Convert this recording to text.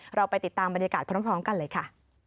เราไปติดตามบรรยากาศพร้อมกันเลยค่ะ